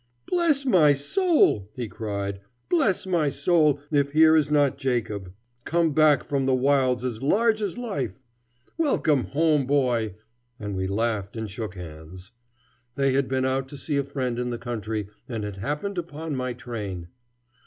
"Bless my soul!" he cried, "bless my soul if here is not Jacob, come back from the wilds as large as life! Welcome home, boy!" and we laughed and shook hands. They had been out to see a friend in the country and had happened upon my train.